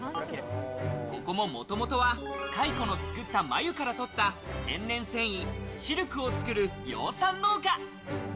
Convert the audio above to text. ここも、もともとは蚕の作った繭から取った天然繊維シルクを作る養蚕農家。